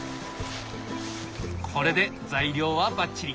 これで材料はバッチリ！